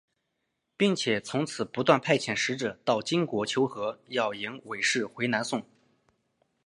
并且从此不断派遣使者到金国求和要迎韦氏回南宋。